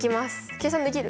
計算できる？